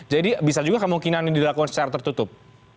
jadi bisa juga kemungkinan ini dilakukan secara tertutup